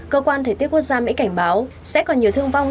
cơ quan thời tiết quốc gia mỹ cảnh báo sẽ còn nhiều thương vong